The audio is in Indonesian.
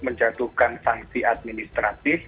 menjatuhkan sanksi administratif